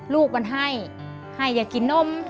ลูกมันให้ให้อย่ากินนม